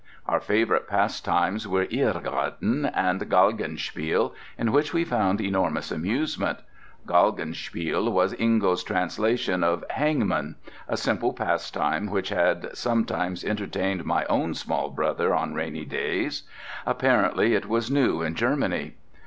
Our favourite pastimes were "Irrgarten" and "Galgenspiel," in which we found enormous amusement. Galgenspiel was Ingo's translation of "Hangman," a simple pastime which had sometimes entertained my own small brother on rainy days; apparently it was new in Germany.